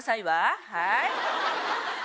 はい。